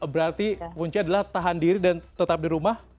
berarti kunci adalah tahan diri dan tetap di rumah